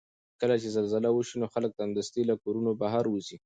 کله چې زلزله وشي نو خلک سمدستي له کورونو بهر وځي.